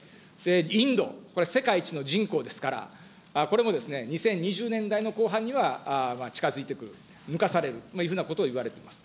インド、これは世界一の人口ですから、これも２０２０年代の後半には近づいてくる、抜かされるというふうなことが言われております。